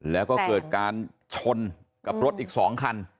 แล้วก็เกิดการชนกับรถอีก๒คัน